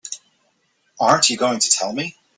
Aren't you going to tell me?